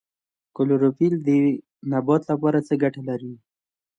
کلوروفیل د نبات لپاره څه ګټه لري